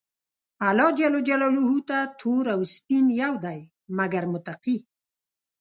الله ج ته تور او سپين يو دي، مګر متقي.